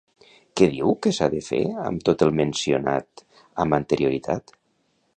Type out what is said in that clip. Què diu que s'ha de fer amb tot el mencionat amb anterioritat?